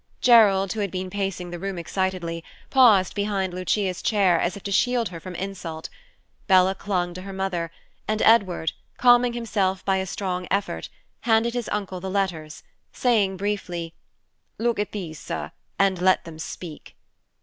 Gerald, who had been pacing the room excitedly, paused behind Lucia's chair as if to shield her from insult; Bella clung to her mother; and Edward, calming himself by a strong effort, handed his uncle the letters, saying briefly, "Look at those, sir, and let them speak."